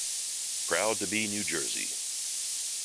Proud to be New Jersey!